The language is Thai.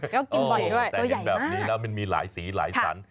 เขากินบ่อยด้วยตัวใหญ่มากแต่เห็นแบบนี้แล้วมันมีหลายสีหลายสัน